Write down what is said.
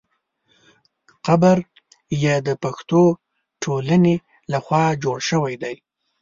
قبر یې د پښتو ټولنې له خوا جوړ شوی دی.